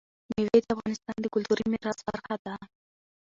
مېوې د افغانستان د کلتوري میراث برخه ده.